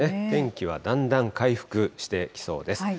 天気はだんだん回復してきそうです。